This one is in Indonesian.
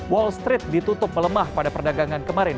wall street ditutup melemah pada perdagangan kemarin